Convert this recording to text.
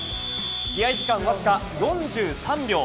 試合時間わずか４３秒。